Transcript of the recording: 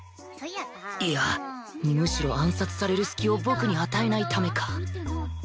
いやむしろ暗殺される隙を僕に与えないためか